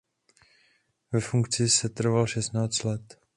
Ve funkci setrval šestnáct let.